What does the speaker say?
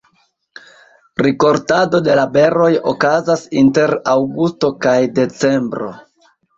Rikoltado de la beroj okazas inter aŭgusto kaj decembro.